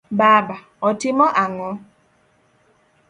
Baba:otimo ang'o?